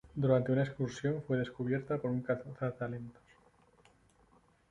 Durante una excursión fue descubierta por un cazatalentos.